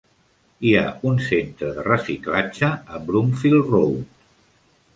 Hi ha un centre de reciclatge a Broomfield Road.